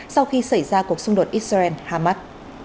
sau khi xảy ra cuộc xung đột israel harmak